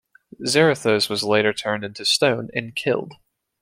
Zarathos was later turned into stone and killed.